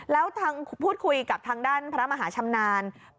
แล้วทางพูดคุยกับทางด้านพระมหาชำนาญ